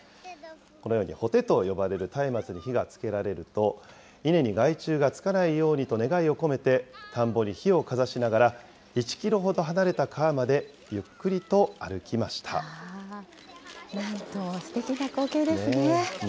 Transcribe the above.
このように火手と呼ばれるたいまつに火がつけられると、稲に害虫がつかないようにと願いを込めて、田んぼに火をかざしながら、１キロほど離れた川までゆっくりと歩なんともすてきな光景ですね。